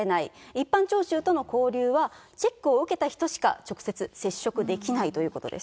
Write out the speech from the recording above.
一般聴衆との交流は、チェックを受けた人しか直接接触できないということです。